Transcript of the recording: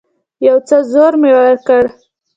يو څه زور مې وکړ.